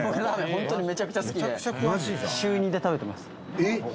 本当にめちゃくちゃ好きで週２で食べてます。